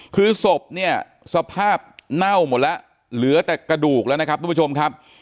คือศพเนี่ยสภาพเน่าหมดแล้วเหลือแต่กระดูกแล้วนะครับทุกผู้ชมครับ